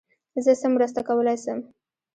زه څه مرسته کولای سم.